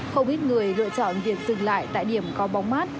không ít người lựa chọn việc dừng lại tại điểm có bóng mát